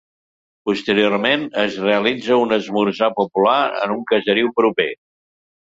Posteriorment es realitza un esmorzar popular en un caseriu proper.